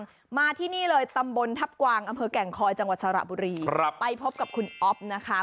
จากตำบลทัพกวางอำเภอแก่งคอยจังหวัดสระบุรีไปพบกับคุณออฟนะคะ